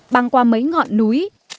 băng qua mấy ngọn núi